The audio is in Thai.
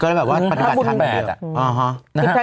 ก็เลยแบบว่าปฏิบัติธรรมอย่างเดียว